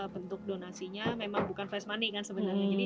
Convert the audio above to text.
bentuk donasinya memang bukan face money